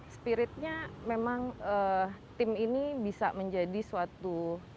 spiritnya memang tim ini bisa menjadi suatu